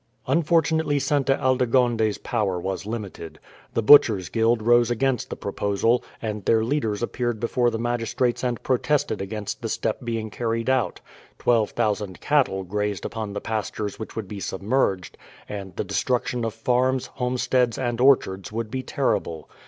Unfortunately Sainte Aldegonde's power was limited. The Butchers' Guild rose against the proposal, and their leaders appeared before the magistrates and protested against the step being carried out. Twelve thousand cattle grazed upon the pastures which would be submerged, and the destruction of farms, homesteads, and orchards would be terrible.